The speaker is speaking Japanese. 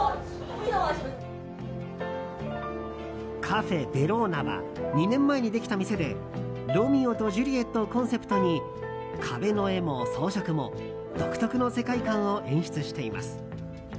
カフェ、ベローナは２年前にできた店で「ロミオとジュリエット」をコンセプトに壁の絵も装飾も独特の世界観を演出しています。